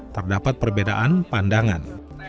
terdapat perbedaan pandangan